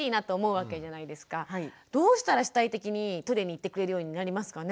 どうしたら主体的にトイレに行ってくれるようになりますかね？